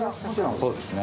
そうですね。